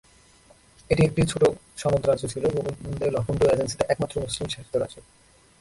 এটি একটি ছোট সনদ রাজ্য ছিল, বুন্দেলখণ্ড এজেন্সিতে একমাত্র মুসলিম- শাসিত রাজ্য।